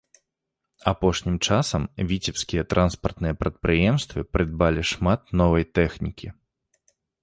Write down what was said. Апошнім часам віцебскія транспартныя прадпрыемствы прыдбалі шмат новай тэхнікі.